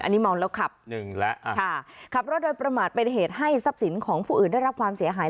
อันนี้เมาแล้วขับหนึ่งแล้วค่ะขับรถโดยประมาทเป็นเหตุให้ทรัพย์สินของผู้อื่นได้รับความเสียหาย